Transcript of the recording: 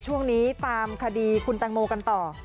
ช่วงนี้ตามคดีคุณแตงโมกันต่อ